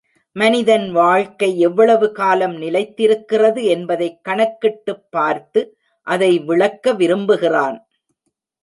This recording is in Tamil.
மனிதன் வாழ்க்கை எவ்வளவு காலம் நிலைத்திருக்கிறது என்பதைக் கணக்கிட்டுப் பார்த்து அதை விளக்க விரும்புகிறான்.